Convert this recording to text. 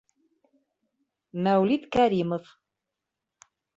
Мәүлит КӘРИМОВ.